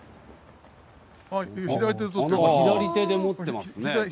左手で持ってますね。